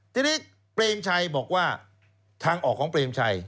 ทีนี้เปรมชัยบอกว่าทางออกของเปรมชัย